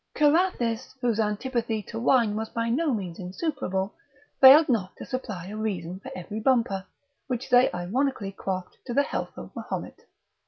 Carathis, whose antipathy to wine was by no means insuperable, failed not to supply a reason for every bumper, which they ironically quaffed to the health of Mahomet.